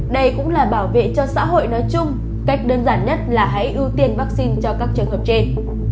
đây cũng là bảo vệ cho xã hội nói chung cách đơn giản nhất là hãy ưu tiên vaccine cho các trường hợp trên